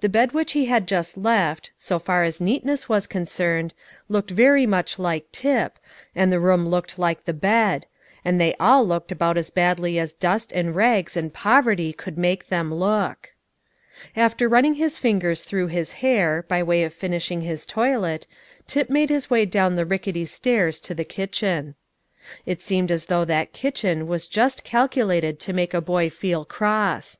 The bed which he had just left, so far as neatness was concerned, looked very much like Tip, and the room looked like the bed; and they all looked about as badly as dust and rags and poverty could make them look. After running his fingers through his hair, by way of finishing his toilet, Tip made his way down the rickety stairs to the kitchen. It seemed as though that kitchen was just calculated to make a boy feel cross.